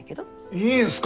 いいんっすか？